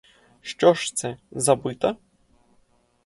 Що ж це: забита?